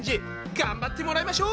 頑張ってもらいましょう！